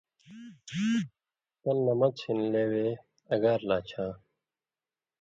تل نہ مڅھہۡ ہِن لېوے اگار لا چھا۔